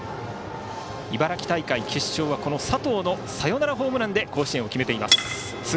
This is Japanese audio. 茨城大会決勝は佐藤のサヨナラホームランで甲子園出場を決めています。